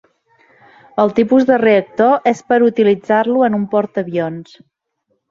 El tipus de reactor és per utilitzar-lo en un portaavions.